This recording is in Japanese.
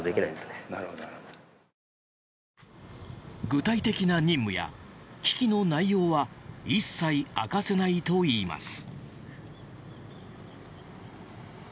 具体的な任務や機器の内容は一切明かせないといいます。